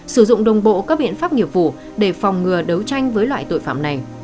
sử dụng đồng bộ các biện pháp nghiệp vụ để phòng ngừa đấu tranh với loại tội phạm này